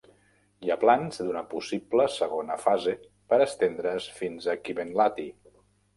Hi ha plans d'una possible segona fase per estendre's fins a Kivenlahti.